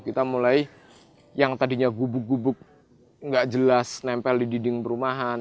kita mulai yang tadinya gubuk gubuk nggak jelas nempel di dinding perumahan